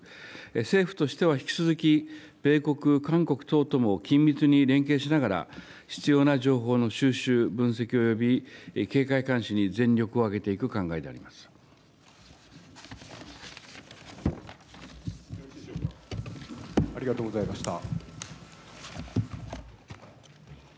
政府としては引き続き、米国、韓国等とも緊密に連携しながら、必要な情報の収集、分析および警戒監視に全力を挙げていく考えでありがとうございました。